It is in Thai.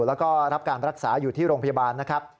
แล้วก็รับการรักษาอยู่ที่โรงพยาบาลนะครับ